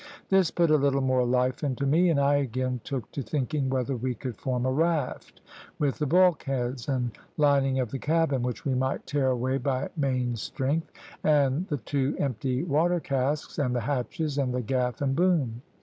This put a little more life into me, and I again took to thinking whether we could form a raft with the bulkheads and lining of the cabin, which we might tear away by main strength, and the two empty water casks, and the hatches, and the gaff and boom.